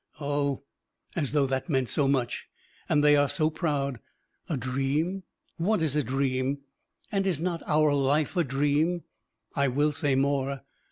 Oh! As though that meant so much! And they are so proud! A dream! What is a dream? And is not our life a dream? I will say more.